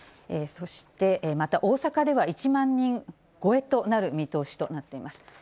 そしてまた、大阪では１万人超えとなる見通しとなっています。